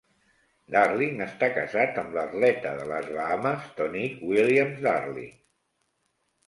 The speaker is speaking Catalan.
Darling està casat amb l'atleta de les Bahames Tonique Williams-Darling.